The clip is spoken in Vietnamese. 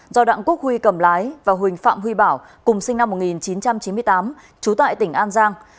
do đặng quốc huy cầm lái và huỳnh phạm huy bảo cùng sinh năm một nghìn chín trăm chín mươi tám trú tại tỉnh an giang